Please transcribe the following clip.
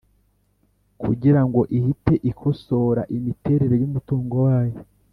kugira ngo ihite ikosora imiterere y umutungo wayo